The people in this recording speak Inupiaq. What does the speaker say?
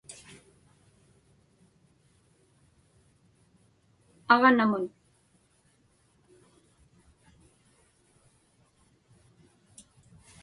aġnamun